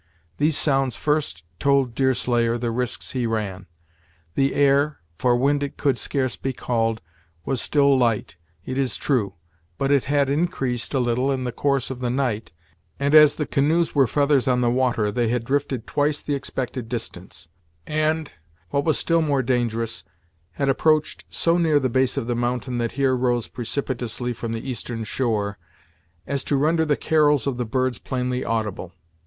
These sounds first told Deerslayer the risks he ran. The air, for wind it could scarce be called, was still light, it is true, but it had increased a little in the course of the night, and as the canoes were feathers on the water, they had drifted twice the expected distance; and, what was still more dangerous, had approached so near the base of the mountain that here rose precipitously from the eastern shore, as to render the carols of the birds plainly audible.